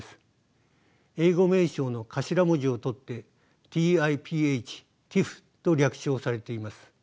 英語名称の頭文字を取ってＴＩＰＨティフと略称されています。